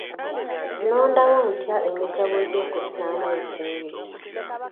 Nnonda wo ntya emigabo egy'okussaamu ensimbi?